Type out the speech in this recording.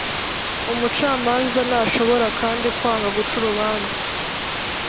umucamanza ntashobora kandi kwanga guca urubanza